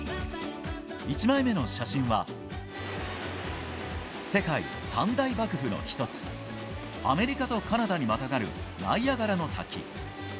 １枚目の写真は、世界三大瀑布の一つ、アメリカとカナダにまたがるナイアガラの滝。